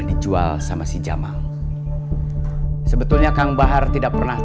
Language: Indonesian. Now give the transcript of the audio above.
ikut saya sekarang